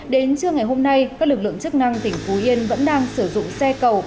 đến trưa ngày hôm nay các lực lượng chức năng tỉnh phú yên vẫn đang sử dụng xe cầu